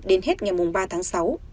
đến hết ngày ba tháng sáu